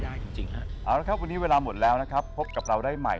ด้วยความรักด้วยพักดี